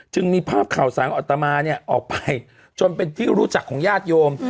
จึงมีภาพข่าวสารอัตมาเนี่ยออกไปจนเป็นที่รู้จักของญาติโยม